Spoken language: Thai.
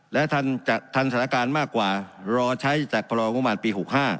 และทันสถานการณ์มากกว่ารอใช้จากพงปี๖๕